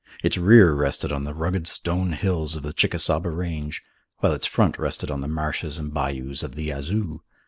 Its rear rested on the rugged stone hills of the Chickasaba range, while its front rested on the marshes and bayous of the Yazoo.